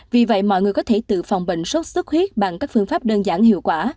vì vậy mọi người có thể tự phòng bệnh sốt xuất huyết bằng các phương pháp đơn giản hiệu quả